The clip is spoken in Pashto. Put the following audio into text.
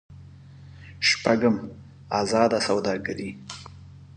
شپږم: ازاده سوداګري.